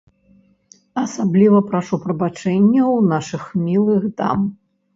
Асабліва прашу прабачэння ў нашых мілых дам!